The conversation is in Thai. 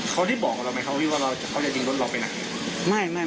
เขาได้บอกกับเราไหมครับพี่ว่าเขาจะยิงรถเราไปไหน